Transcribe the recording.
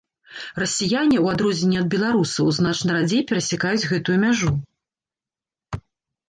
Расіяне, у адрозненне ад беларусаў, значна радзей перасякаюць гэтую мяжу.